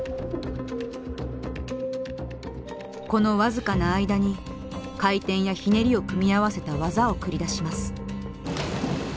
この僅かな間に回転やひねりを組み合わせた技を繰り出します。